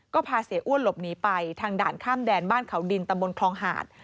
ก็พาเสียอ้วนหลบหนีไปทางด่านข้ามแดนบ้านเขาดินตำบลคลองหาด